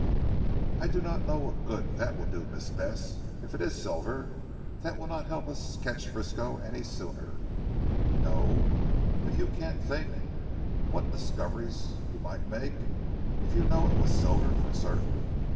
"I do not know what good that will do Miss Bess. If it is silver that will not help us to catch Frisco any the sooner." "No! but you can't think what discoveries you might make if you knew it was silver for certain.